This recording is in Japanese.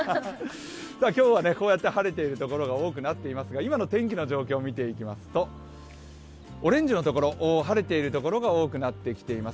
今日はこうやって晴れているところが多くなっていますが、今の天気の状況を見ていきますと、オレンジのところ晴れているところが多くなっています。